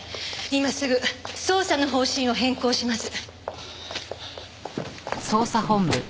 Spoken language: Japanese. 今すぐ捜査の方針を変更します。